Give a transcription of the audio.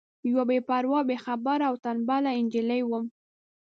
یوه بې پروا بې خبره او تنبله نجلۍ وم.